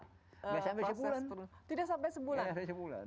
nggak sampai sebulan